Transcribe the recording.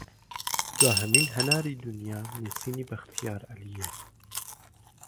دواهەمین هەناری دونیا نوسینی بەختیار عەلییە